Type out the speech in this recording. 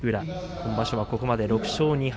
今場所はここまで６勝２敗。